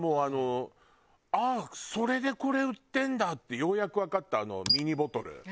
ああそれでこれ売ってるんだってようやくわかったあのミニボトル。